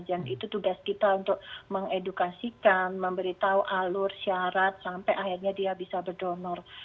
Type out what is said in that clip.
dan itu tugas kita untuk mengedukasikan memberitahu alur syarat sampai akhirnya dia bisa berdonor